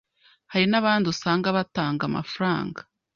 Hari n’ahandi usanga batanga amafaranga